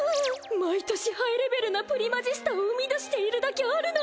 毎年ハイレベルなプリマジスタを生み出しているだけあるな。